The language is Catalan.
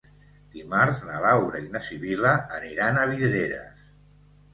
Dimarts na Laura i na Sibil·la aniran a Vidreres.